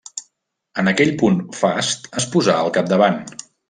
En aquell punt Fast es posà al capdavant.